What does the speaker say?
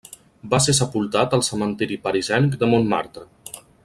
Va ser sepultat al cementeri parisenc de Montmartre.